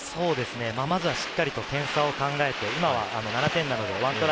まずはしっかり点差を考えて今は７点なので１トライ